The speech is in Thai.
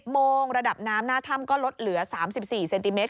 โมงระดับน้ำหน้าถ้ำก็ลดเหลือ๓๔เซนติเมต